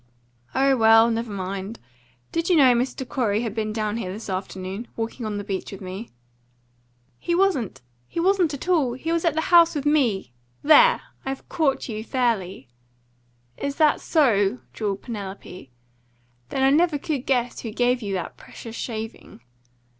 "Oh, well, never mind. Did you know Mr. Corey had been down here this afternoon, walking on the beach with me?" "He wasn't he wasn't at all! He was at the house with ME. There! I've caught you fairly." "Is that so?" drawled Penelope. "Then I never could guess who gave you that precious shaving."